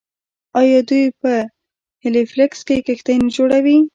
آیا دوی په هیلیفیکس کې کښتۍ نه جوړوي؟